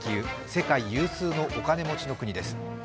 世界有数のお金持ちの国です。